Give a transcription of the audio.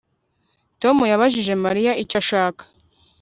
Tom yabajije Mariya icyo ashaka